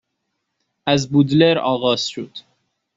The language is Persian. از بودلر آغاز شد